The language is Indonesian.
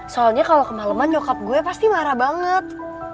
soalnya kalau kemaleman nyokap gue pasti marah banget